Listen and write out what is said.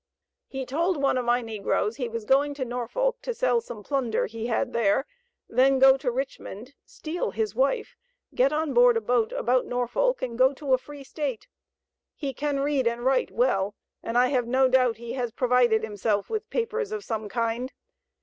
He told one of my negroes he was going to Norfolk to sell some plunder he had there, then go to Richmond, steal his wife, get on board a boat about Norfolk, and go to a free State. He can read and write well, and I have no doubt he has provided himself with papers of some kind.